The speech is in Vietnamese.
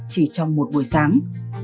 chỉ trong một buổi sáng